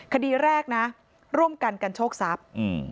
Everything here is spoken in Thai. คดีแรกนะร่วมกันกันโชคทรัพย์